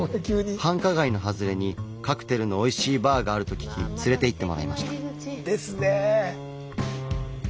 繁華街の外れにカクテルのおいしいバーがあると聞き連れて行ってもらいました。